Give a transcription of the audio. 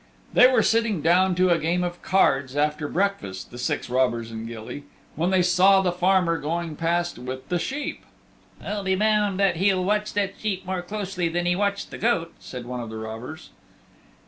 They were sitting down to a game of cards after breakfast the six robbers and Gilly when they saw the farmer going past with the sheep. "I'll be bound that he'll watch that sheep more closely than he watched the goat," said one of the robbers.